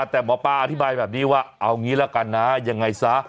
แต่หมอปลาอธิบายแบบนี้ว่าเอางี้ละกันนะยังไงซะ